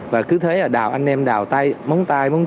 và cứ thế là đào anh em đào tay móng tay móng